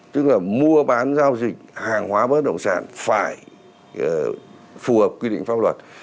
tức là mua bán giao dịch hàng hóa bất động sản phải phù hợp quy định pháp luật